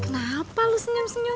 kenapa lo senyum senyum